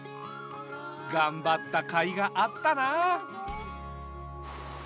がんばったかいがあったな。